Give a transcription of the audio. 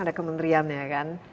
ada kementerian ya kan